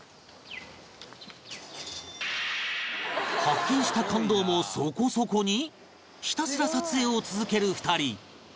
発見した感動もそこそこにひたすら撮影を続ける２人